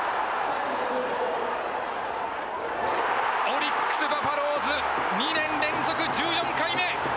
オリックス・バファローズ２年連続１４回目。